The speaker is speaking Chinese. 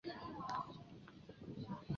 其妹朱仲丽嫁王稼祥。